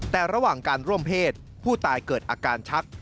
แต่ระหว่างการร่วมเพศผู้ตายเกิดอาการชัก